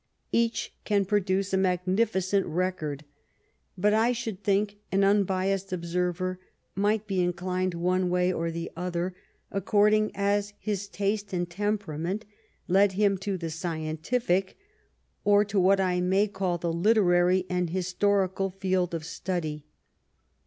Each can produce a magnificent record; but I should think an un biassed observer might be inclined one way or the other, according as his taste and tempera ment led him to the scientific, or to what I may call the literary and historical, field of study.